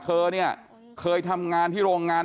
เธอเนี่ยเคยทำงานที่โรงงาน